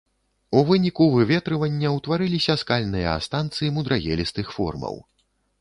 У выніку выветрывання ўтварыліся скальныя астанцы мудрагелістых формаў.